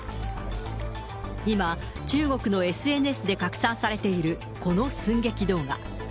今、中国のＳＮＳで拡散されているこの寸劇動画。